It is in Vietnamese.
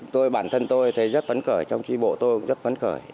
tôi bản thân tôi thấy rất phấn khởi trong tri bộ tôi cũng rất phấn khởi